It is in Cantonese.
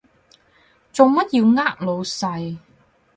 做乜要呃老細？